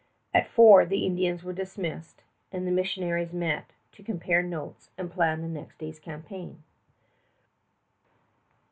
After four the Indians were dismissed, and the missionaries met to compare notes and plan the next day's campaign.